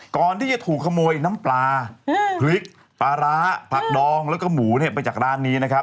ก่อนที่จะถูกขโมยน้ำปลาพริกปลาร้าผักดองแล้วก็หมูเนี่ยไปจากร้านนี้นะครับ